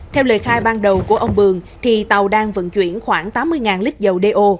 theo lời khai ban đầu của ông bường tàu đang vận chuyển khoảng tám mươi lít dầu đeo